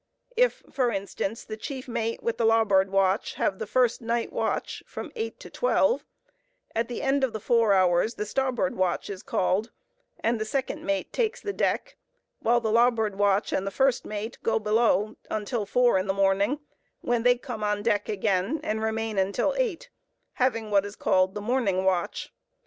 If, for instance, the chief mate with the larboard watch have the first night watch from eight to twelve; at the end of the four hours the starboard watch is called, and the second mate takes the deck while the larboard watch and the first mate go below until four in the morning, when they come on deck again and remain until eight; having what is called the morning watch.